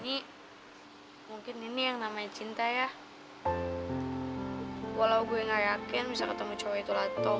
ini ke permadani terbang yang waktu itu